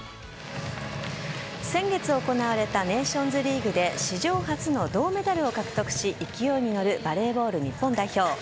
先月行われたネーションズリーグで史上初の銅メダルを獲得し勢いに乗るバレーボール日本代表。